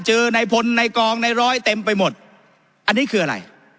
ในพลในกองในร้อยเต็มไปหมดอันนี้คืออะไร